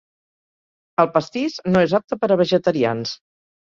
El pastís no és apte per a vegetarians.